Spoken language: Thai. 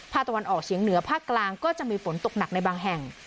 ตะวันออกเฉียงเหนือภาคกลางก็จะมีฝนตกหนักในบางแห่ง